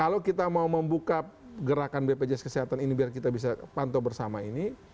kalau kita mau membuka gerakan bpjs kesehatan ini biar kita bisa pantau bersama ini